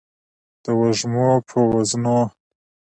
د وږمو په وزرونو